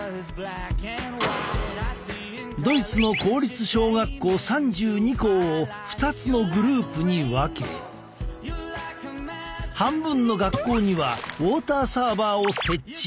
ドイツの公立小学校３２校を２つのグループに分け半分の学校にはウォーターサーバーを設置。